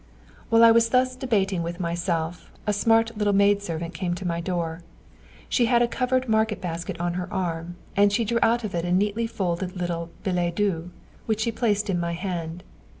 While I was thus debating with myself, a smart little maid servant came to my door. She had a covered market basket on her arm, and she drew out of it a neatly folded little billet doux, which she placed in my hand.